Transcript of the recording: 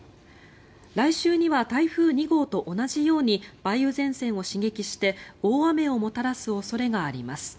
来週には台風２号と同じように梅雨前線を刺激して大雨をもたらす恐れがあります。